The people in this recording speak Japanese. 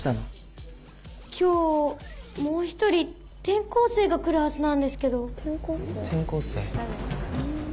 今日もう１人転校生が来るはずなんですけど転校生？